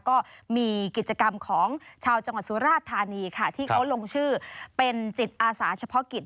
ก็มีกิจกรรมของชาวจังหวัดสุราชธานีค่ะที่เขาลงชื่อเป็นจิตอาสาเฉพาะกิจ